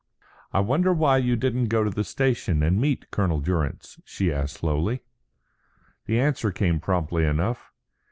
"I wonder why you didn't go to the station and meet Colonel Durrance?" she asked slowly. The answer came promptly enough.